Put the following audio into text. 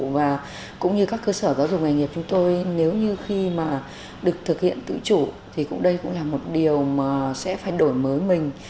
là chúng tôi nếu như khi mà được thực hiện tự chủ thì cũng đây cũng là một điều mà sẽ phát đổi mới mình